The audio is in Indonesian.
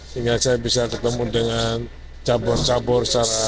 sehingga saya bisa ketemu dengan cabur cabur secara